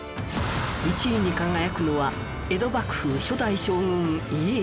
１位に輝くのは江戸幕府初代将軍家康か？